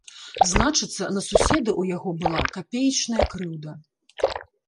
Значыцца, на суседа ў яго была капеечная крыўда.